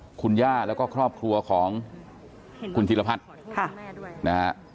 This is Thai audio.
กับคุณย่าแล้วก็ครอบครัวของคุณธิรพัฒน์